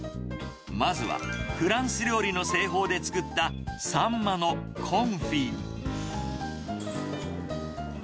まずはフランス料理の製法で作った秋刀魚のコンフィ。